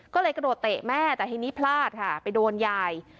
ก็เลยกระโดดเตะแม่แต่ทีนี้พลาดค่ะไปโดนยาย